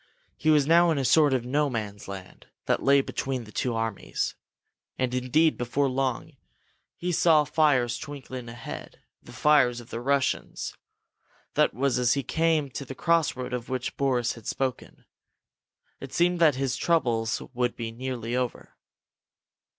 He was now in a sort of No Man's Land that lay between the two armies. And, indeed, before long, he saw fires twinkling ahead the fires of the Russians. That was as he came to the crossroad of which Boris had spoken. It seemed that his troubles must be nearly over.